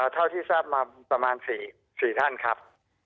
เท่าที่ทราบมาประมาณ๔ท่านครับ